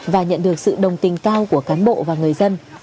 và nhận được sự đồng tình cao của cán bộ và người dân